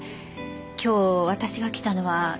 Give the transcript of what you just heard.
今日私が来たのは先生の。